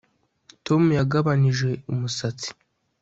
Tom yagabanije umusatsi